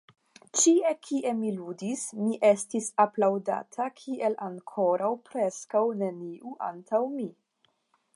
Ĉie kie mi ludis, mi estis aplaŭdata kiel ankoraŭ preskaŭ neniu antaŭ mi.